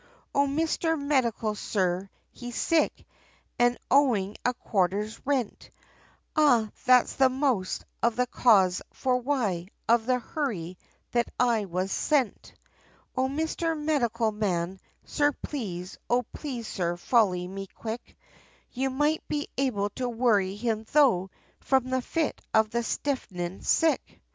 O Mister Medical Sir, he's sick, an' owin' a quarter's rent, An' that's the most, of the cause for why, of the hurry, that I was sent, O Mister Medical Man, Sir please, O please Sir folly me quick, You might be able to worry him thro' from the fit of the stiffnin' sick!